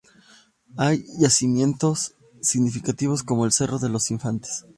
Hay yacimientos significativos como el cerro de los Infantes.